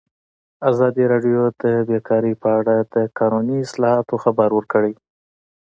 ازادي راډیو د بیکاري په اړه د قانوني اصلاحاتو خبر ورکړی.